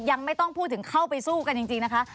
ยังไม่ต้องพูดถึงเข้าไปสู้กันจริงนะคะ